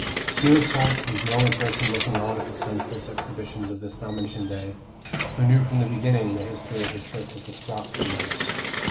Felix Holt was the only person looking on at the senseless exhibitions of this nomination day, who knew from the beginning the history of the trick with the Sproxton men.